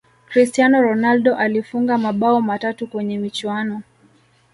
cristiano ronaldo alifunga mabao matatu kwenye michuano